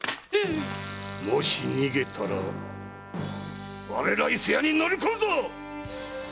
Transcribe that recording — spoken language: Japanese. もし逃げたら我ら伊勢屋に乗り込むぞ！